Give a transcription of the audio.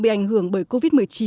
bị ảnh hưởng bởi covid một mươi chín